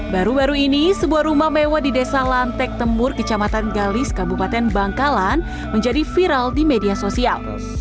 baru baru ini sebuah rumah mewah di desa lantek temur kecamatan galis kabupaten bangkalan menjadi viral di media sosial